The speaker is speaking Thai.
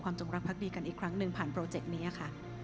จงรักพักดีกันอีกครั้งหนึ่งผ่านโปรเจกต์นี้ค่ะ